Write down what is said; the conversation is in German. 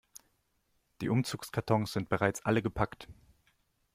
Die Umzugskartons sind bereits alle gepackt.